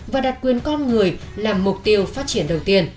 và đặt quyền con người là mục tiêu phát triển đầu tiên